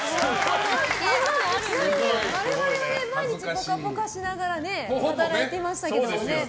ちなみに我々は毎日「ぽかぽか」しながら働いてましたけどね。